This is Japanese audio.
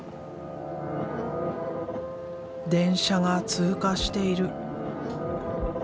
電車が通過している。